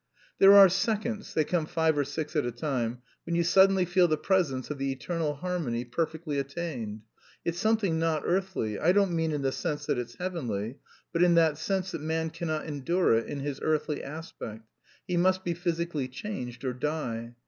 "There are seconds they come five or six at a time when you suddenly feel the presence of the eternal harmony perfectly attained. It's something not earthly I don't mean in the sense that it's heavenly but in that sense that man cannot endure it in his earthly aspect. He must be physically changed or die.